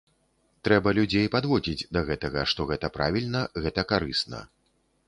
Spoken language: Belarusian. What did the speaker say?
Трэба людзей падводзіць да гэтага, што гэта правільна, гэта карысна.